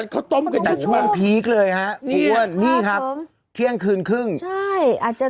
เขาต้มกันแต่ช่วงพีคเลยฮะพี่อ้วนนี่ครับเที่ยงคืนครึ่งใช่อาจจะ